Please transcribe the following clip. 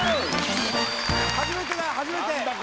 初めてだ初めて何だ